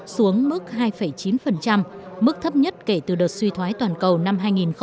xuống mức hai chín mức thấp nhất kể từ đợt suy thoái toàn cầu năm hai nghìn chín